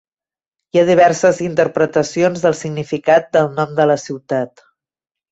Hi ha diverses interpretacions del significat del nom de la ciutat.